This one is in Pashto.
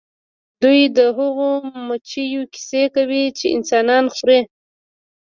دوی د هغو مچیو کیسې کوي چې انسانان خوري